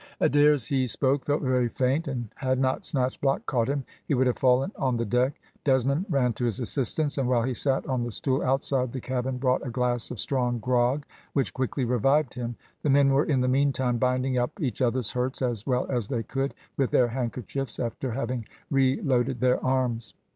Adair as he spoke felt very faint, and had not Snatchblock caught him he would have fallen on the deck. Desmond ran to his assistance, and while he sat on the stool outside the cabin brought a glass of strong grog, which quickly revived him; the men were in the meantime binding up each other's hurts as well as they could, with their handkerchiefs, after having reloaded their arms.